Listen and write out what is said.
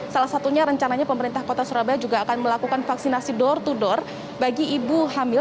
salah satunya rencananya pemerintah kota surabaya juga akan melakukan vaksinasi door to door bagi ibu hamil